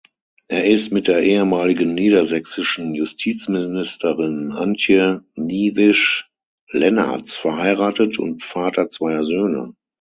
Er ist mit der ehemaligen niedersächsischen Justizministerin Antje Niewisch-Lennartz verheiratet und Vater zweier Söhne.